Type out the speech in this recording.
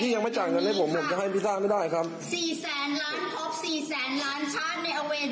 พี่ยังไม่จัดเงินให้ผมผมจะให้พี่สร้างไม่ได้ครับ